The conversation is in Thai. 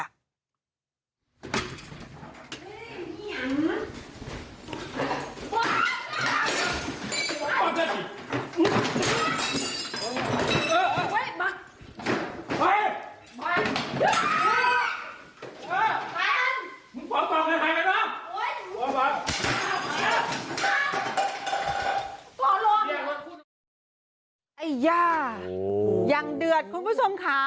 ไอ้ย่ายังเดือดคุณผู้ชมค่ะ